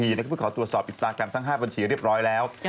เพื่อขอตรวจสอบอินสตาแกรมทั้ง๕บัญชีเรียบร้อยแล้ว